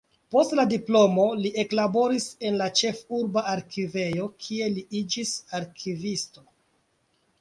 Post la diplomo li eklaboris en la ĉefurba arkivejo, kie li iĝis arkivisto.